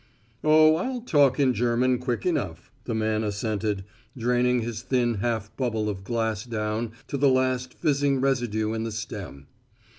"Oh, I'll talk in German quick enough," the man assented, draining his thin half bubble of glass down to the last fizzing residue in the stem.